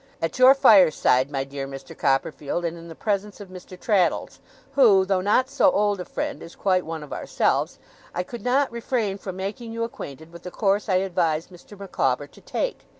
At your fireside, my dear Mr. Copperfield, and in the presence of Mr. Traddles, who, though not so old a friend, is quite one of ourselves, I could not refrain from making you acquainted with the course I advise Mr. Micawber to take.